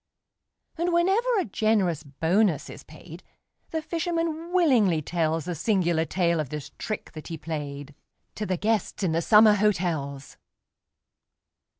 And, whenever a generous bonus is paid, The fisherman willingly tells The singular tale of this trick that he played, To the guests in the summer hotels.